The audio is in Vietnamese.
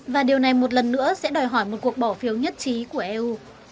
và điều này một lần nữa sẽ đòi hỏi một cuộc bỏ phiếu nhất trí của eu